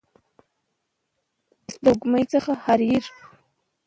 د سپوږمۍ څخه حریر